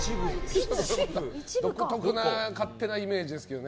独特な勝手なイメージですけどね。